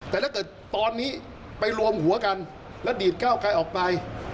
แต่ถ้าเกิดตอนนี้ไปรวมหัวกันแล้วดีดก้าวไกลออกไป